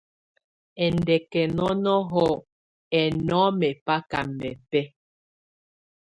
Ɛndɛkɛnɔnɔhɔ ɛnɔmɛ baka mɛbɛ.